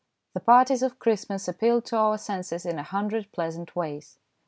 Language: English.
The parties of Christmas appealed to our senses in a hundred pleasant ways.